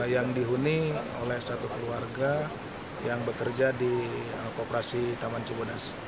yang dihuni oleh satu keluarga yang bekerja di koperasi taman cibodas